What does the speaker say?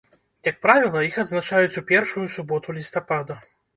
Як правіла, іх адзначаюць у першую суботу лістапада.